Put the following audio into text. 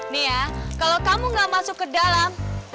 nih ya kalau kamu gak masuk ke dalam